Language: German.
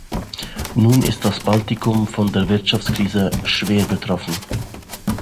Nun ist das Baltikum von der Wirtschaftskrise schwer betroffen.